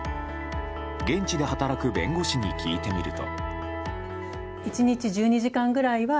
現地で働く弁護士に聞いてみると。